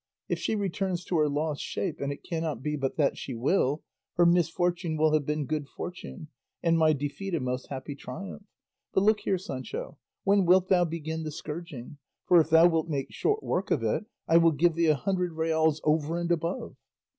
If she returns to her lost shape (and it cannot be but that she will) her misfortune will have been good fortune, and my defeat a most happy triumph. But look here, Sancho; when wilt thou begin the scourging? For if thou wilt make short work of it, I will give thee a hundred reals over and above."